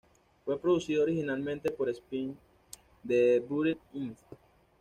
Fue producido originalmente por Spin the Bottle Inc.